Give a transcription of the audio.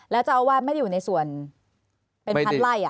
แล้วเจ้าอาวาสไม่ได้อยู่ในส่วนเป็นพันไล่